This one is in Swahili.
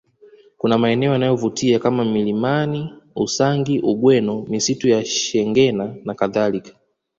Kuna maeneo yanayovutia kama milimani Usangi Ugweno misitu ya Shengena nakadhalika